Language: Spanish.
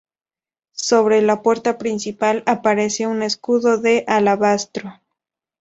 Sobre la puerta principal aparece un escudo de alabastro.